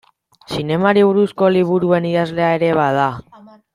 Zinemari buruzko liburuen idazlea ere bada.